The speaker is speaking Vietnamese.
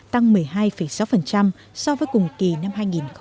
tăng một mươi hai sáu so với cùng kỳ năm hai nghìn một mươi tám